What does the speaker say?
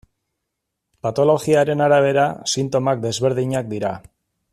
Patologiaren arabera sintomak desberdinak dira.